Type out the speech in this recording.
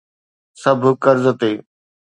سڀ قرض تي.